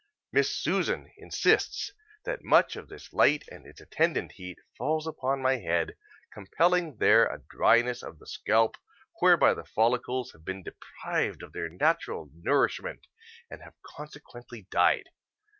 Miss Susan insists that much of this light and its attendant heat falls upon my head, compelling there a dryness of the scalp whereby the follicles have been deprived of their natural nourishment and have consequently died.